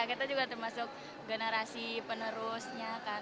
kita juga termasuk generasi penerusnya kan